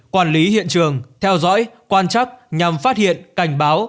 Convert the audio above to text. quản lý hiện trường theo dõi quan chắc nhằm phát hiện cảnh báo